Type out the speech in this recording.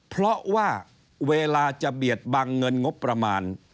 เพราะว่าเวลาจะเบียดบังเงินงบประมาณ